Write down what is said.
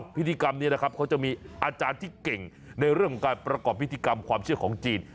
พิธีกรรมนี้นะครับเขาจะมีอาจารย์ที่เก่งในเรื่องของการประกอบพิธีกรรมความเชื่อของจีน